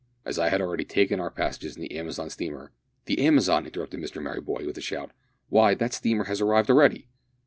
As I had already taken our passages in the Amazon steamer " "The Amazon!" interrupted Mr Merryboy, with a shout, "why, that steamer has arrived already!"